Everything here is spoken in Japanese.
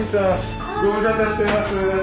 ご無沙汰してます。